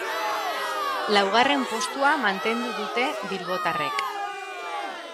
Laugarren postua mantendu dute bilbotarrek.